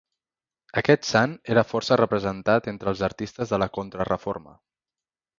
Aquest sant era força representat entre els artistes de la Contrareforma.